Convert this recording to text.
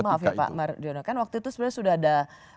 maaf ya pak mardiono kan waktu itu sebenarnya sudah ada